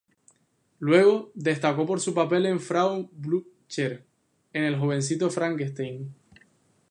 Luego, destacó por su papel de Frau Blücher en "El jovencito Frankenstein".